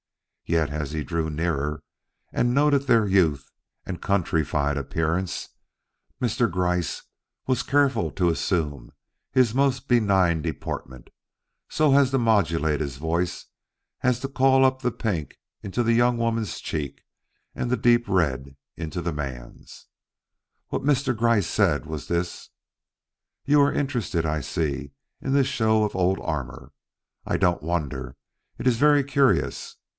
Yet as he drew nearer and noted their youth and countrified appearance, Mr. Gryce was careful to assume his most benign deportment and so to modulate his voice as to call up the pink into the young woman's cheek and the deep red into the man's. What Mr. Gryce said was this: "You are interested I see in this show of old armor? I don't wonder. It is very curious.